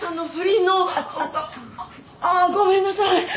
あっごめんなさい。